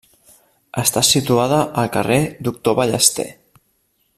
Està situada al carrer Doctor Ballester.